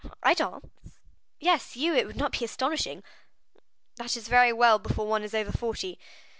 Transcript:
"I dance?" "Yes, you; it would not be astonishing." "That is very well before one is over forty.